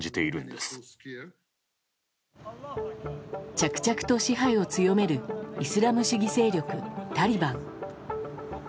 着々と支配を進めるイスラム主義勢力タリバン。